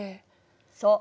そう。